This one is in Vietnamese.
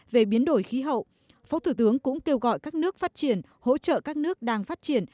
về biến đổi khí hậu phó thủ tướng cũng kêu gọi các nước phát triển hỗ trợ các nước đang phát triển